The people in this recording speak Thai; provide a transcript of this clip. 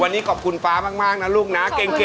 วันนี้ขอบคุณฟ้ามากนะลูกนะเก่ง